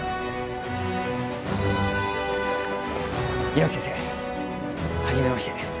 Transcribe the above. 猪木先生、初めまして。